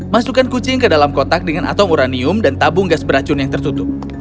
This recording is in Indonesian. masukkan kucing ke dalam kotak dengan atong uranium dan tabung gas beracun yang tertutup